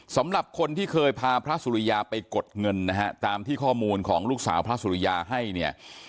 สำหรับคนที่เคยพาพระสุริยาไปกดเงินนะฮะตามที่ข้อมูลของลูกสาวพระสุริยาให้เนี่ย